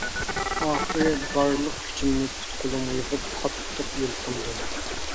ئاخىرى بارلىق كۈچۈمنى پۇت-قولۇمغا يىغىپ قاتتىق يۇلقۇندۇم.